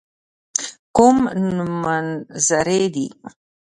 کوم نومځري دي.